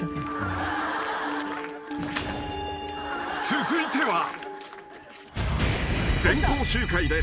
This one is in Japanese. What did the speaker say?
［続いては］